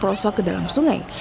yang terperosok ke dalam sungai